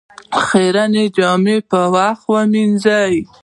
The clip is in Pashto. خيرنې جامې په وخت ووينځه